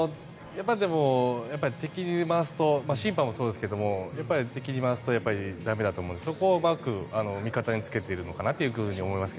でも、敵に回すと審判もそうですけど敵に回すと駄目だと思うのでそこをうまく味方につけているのかなと思いますが。